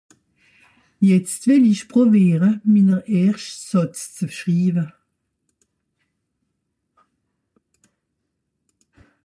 Het well i pràwiara, mina erschta Sàtz zu schriwa.